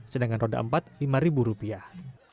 sedangkan roda empat lima rupiah